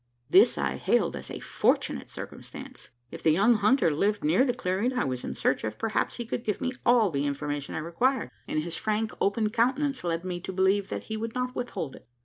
This I hailed as a fortunate circumstance. If the young hunter lived near the clearing I was in search of, perhaps he could give me all the information I required; and his frank open countenance led me to believe he would not withhold it.